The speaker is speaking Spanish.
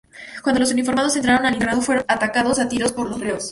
Cuando los uniformados entraron al internado, fueron atacados a tiros por los reos.